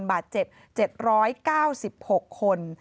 บาดเจ็บ๗๙๖คน